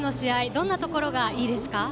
どんなところがいいですか？